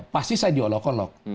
pasti saya diolok olok